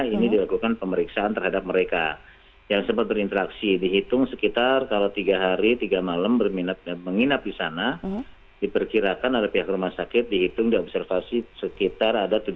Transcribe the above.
ini dilakukan pemeriksaan terhadap mereka yang sempat berinteraksi dihitung sekitar kalau tiga hari tiga malam berminat menginap di sana diperkirakan oleh pihak rumah sakit dihitung diobservasi sekitar ada tujuh puluh